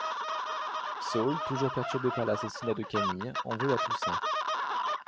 Saul, toujours perturbé par l'assassinat de Camille, en veut à Toussaint.